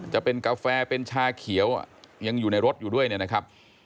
จะเป็นกาแฟเป็นชาเขียวยังอยู่ในรถอยู่ด้วยเนี่ยนะครับ